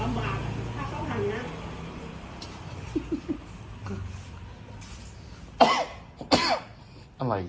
หาคู่เยาะไปได้ยังไม่ไหว